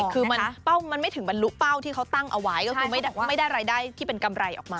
คือมันไม่ถึงบรรลุเป้าที่เขาตั้งเอาไว้ก็คือไม่ได้รายได้ที่เป็นกำไรออกมา